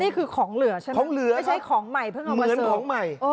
นี่คือของเหลือใช่ไหมไม่ใช่ของใหม่เพิ่งเอามาเสิร์ฟ